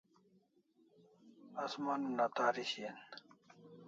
Asman una tari shian